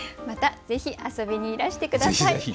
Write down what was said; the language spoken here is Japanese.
またぜひ遊びにいらして下さい。